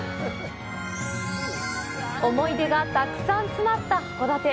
思い出がたくさん詰まった函館。